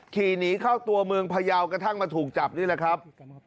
ขี่หนีเข้าตัวเมืองพยาวกระทั่งมาถูกจับนี่แหละครับ